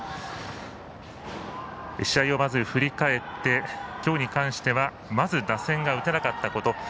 試合を振り返って今日に関してはまず打線が打てなかったこと。